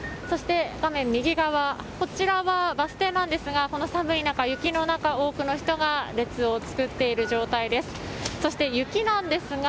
そして、こちらはバス停なんですがこの寒い中、雪の中多くの人が列を作っている状態です。